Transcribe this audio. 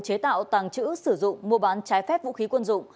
chế tạo tàng trữ sử dụng mua bán trái phép vũ khí quân dụng